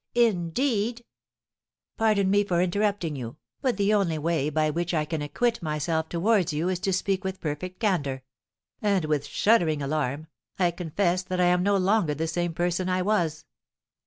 Indeed " "Pardon me for interrupting you, but the only way by which I can acquit myself towards you is to speak with perfect candour; and, with shuddering alarm, I confess that I am no longer the same person I was.